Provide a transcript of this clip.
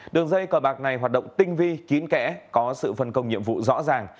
đường dây cờ bạc này hoạt động tinh vi kín kẽ có sự phân công nhiệm vụ rõ ràng